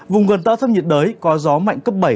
vùng gần tựa át thấp nhiệt đới có gió mạnh cấp bảy